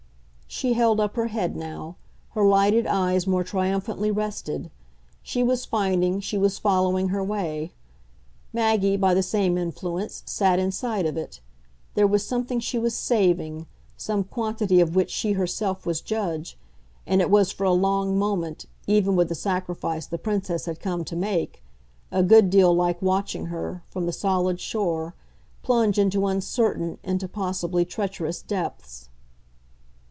She held up her head now; her lighted eyes more triumphantly rested; she was finding, she was following her way. Maggie, by the same influence, sat in sight of it; there was something she was SAVING, some quantity of which she herself was judge; and it was for a long moment, even with the sacrifice the Princess had come to make, a good deal like watching her, from the solid shore, plunge into uncertain, into possibly treacherous depths.